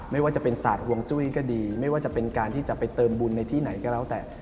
ไม่ว่าจะเป็นศาสตร์ห่วงจุ้ยก็ดีไม่ว่าจะเป็นการที่จะไปเติมบุญในที่ไหนก็แล้วแต่